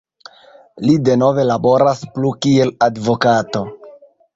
Li denove laboras plu kiel advokato.